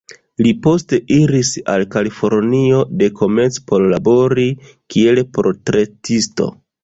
Li poste iris al Kalifornio, dekomence por labori kiel portretisto.